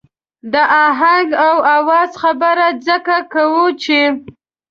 د آهنګ او آواز خبره ځکه کوو چې.